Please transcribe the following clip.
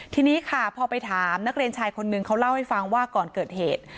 ทีนี้ค่ะพอไปถามนักเรียนชายคนนึงเขาเล่าให้ฟังว่าก่อนเกิดเหตุ